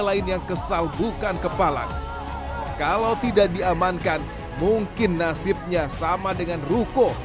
lain yang kesal bukan kepala kalau tidak diamankan mungkin nasibnya sama dengan ruko